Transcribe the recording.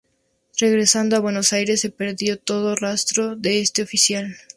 Regresado a Buenos Aires, se perdió todo rastro de este oficial.